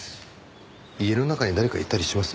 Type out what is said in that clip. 家の中に誰かいたりします？